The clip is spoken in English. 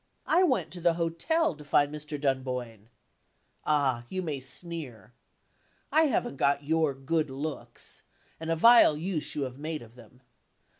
I went to the hotel to find Mr. Dunboyne. Ah, you may sneer! I haven't got your good looks and a vile use you have made of them.